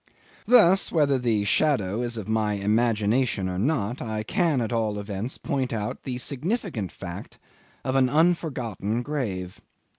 'Thus, whether the shadow is of my imagination or not, I can at all events point out the significant fact of an unforgotten grave.